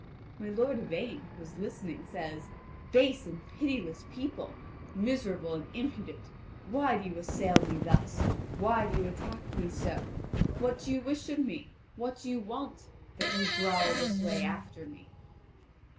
My lord Yvain, who is listening, says: "Base and pitiless people, miserable and impudent, why do you assail me thus, why do you attack me so? What do you wish of me, what do you want, that you growl this way after me?"